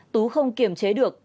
tú không kiểm chế được